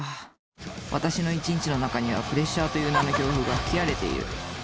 私の一日の中にはプレッシャーという名の強風が吹き荒れている。